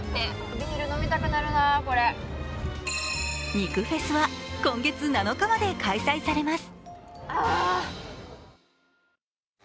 肉フェスは今月７日まで開催されます。